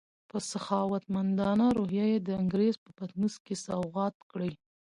په سخاوتمندانه روحیه یې د انګریز په پطنوس کې سوغات کړې.